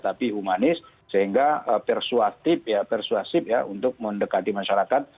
tapi humanis sehingga persuasif untuk mendekati masyarakat